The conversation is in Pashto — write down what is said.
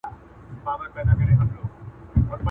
طوطي والوتی یوې او بلي خواته؛